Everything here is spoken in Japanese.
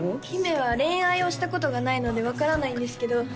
姫は恋愛をしたことがないので分からないんですけど